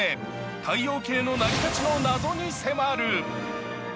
太陽系の成り立ちの謎に迫る。